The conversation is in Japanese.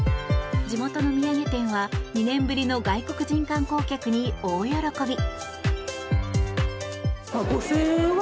地元の土産店は、２年ぶりの外国人観光客に大喜び。